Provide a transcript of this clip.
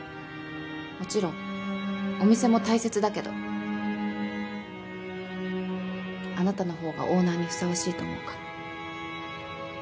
もちろんお店も大切だけどあなたのほうがオーナーにふさわしいと思うから。